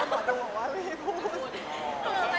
กำลังไม่พูดอย่างนั้น